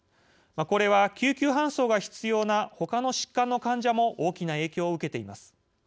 これは、救急搬送が必要なほかの疾患の患者も大きな影響を受けています。